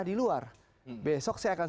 di luar besok saya akan